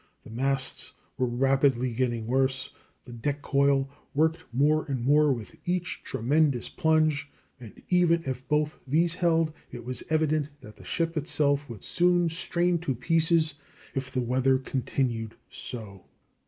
The masts were rapidly getting worse, the deck coil worked more and more with each tremendous plunge, and, even if both these held, it was evident that the ship itself would soon strain to pieces if the weather continued so.